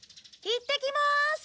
いってきまーす。